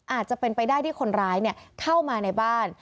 อาจจะเป็นไปได้ที่คนร้ายเข้ามาในบ้าน